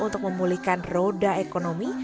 untuk memulihkan roda ekonomi